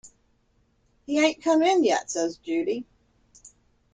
"He ain't come in yet," says Judy.